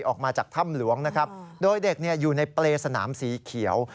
ออกมาจากถ้ำหลวงนะครับโดยเด็กอยู่ในเปรย์สนามสีเขียว